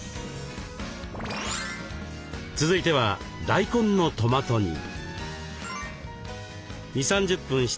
続いては大根のトマト煮。